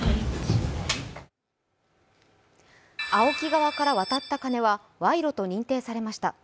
ＡＯＫＩ側から渡った金は賄賂と認定されました。